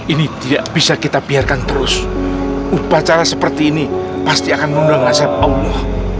ini tidak bisa kita biarkan terus upacara seperti ini pasti akan mengundang nasabah allah